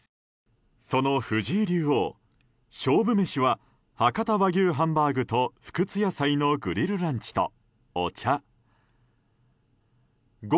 その藤井竜王、勝負メシは博多和牛ハンバーグと福津野菜のグリルランチとお茶でした。